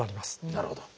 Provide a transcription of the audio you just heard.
なるほど。